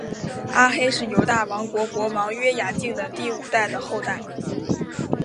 阿黑是犹大王国国王约雅敬的第五代的后代。